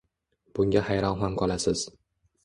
Bunga hayron ham qolasiz.